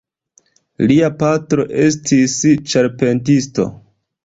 Lia patro estis ĉarpentisto.